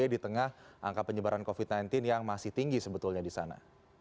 di tengah angka penyebaran covid sembilan belas yang masih tinggi sebetulnya di sana